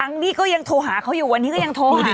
พี่ก็ยังโทรหาเขาอยู่วันนี้ก็ยังโทรหา